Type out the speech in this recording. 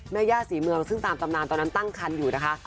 แม่ย่าศรีเมืองซึ่งตามตำนานตอนนั้นตั้งคันอยู่นะคะ